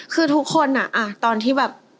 คือทุกคนอ่ะตอนที่แบบ